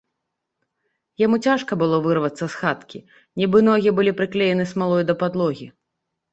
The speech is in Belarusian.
Яму цяжка было вырвацца з хаткі, нібы ногі былі прыклеены смалой да падлогі.